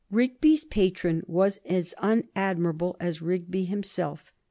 Rigby's patron was as unadmirable as Rigby himself.